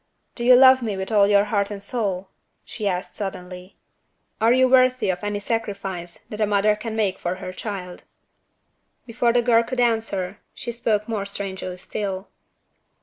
"Do you love me with all your heart and soul?" she asked suddenly. "Are you worthy of any sacrifice that a mother can make for her child?" Before the girl could answer, she spoke more strangely still.